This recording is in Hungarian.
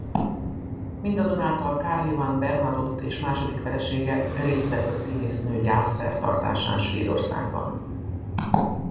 Mindazonáltal Carl Johan Bernadotte és második felesége részt vett a színésznő gyászszertartásán Svédországban.